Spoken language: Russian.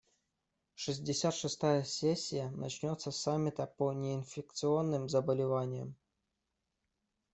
Шестьдесят шестая сессия начнется с саммита по неинфекционным заболеваниям.